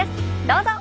どうぞ！